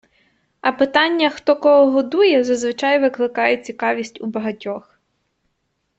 А питання «хто кого годує» зазвичай викликає цікавість у багатьох.